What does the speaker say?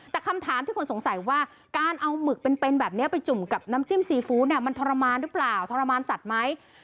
แต่คำถามที่คนสงสัยว่าการเอาหมึกเป็นแบบนี้ไปจุ่มกับน้ำจิ้มซีฟู้ดเนี่ยมันทรมานหรือเปล่าทรมานสัตว์ไหม